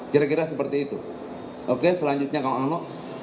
kira kira seperti itu oke selanjutnya kang ano